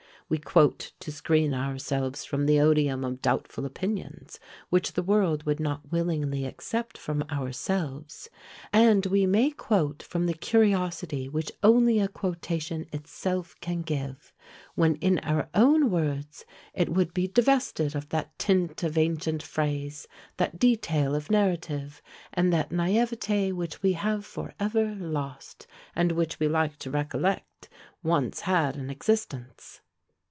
We quote to screen ourselves from the odium of doubtful opinions, which the world would not willingly accept from ourselves; and we may quote from the curiosity which only a quotation itself can give, when in our own words it would be divested of that tint of ancient phrase, that detail of narrative, and that naÃŸvetÃ© which we have for ever lost, and which we like to recollect once had an existence.